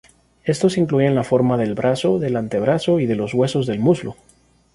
Estos incluyen la forma del brazo, del antebrazo y de los huesos del muslo.